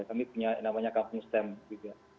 kami punya namanya kampung stem juga